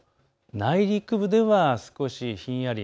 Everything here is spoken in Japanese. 内陸部では少しひんやり